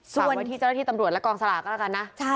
ส่วนมาที่เจ้าหน้าที่ตำรวจและกองสลากก็แล้วกันนะ